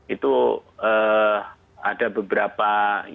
itu ada beberapa yang